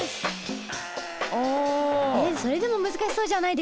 それでも難しそうじゃないですか。